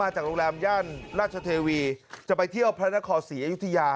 จากโรงแรมย่านราชเทวีจะไปเที่ยวพระนครศรีอยุธยา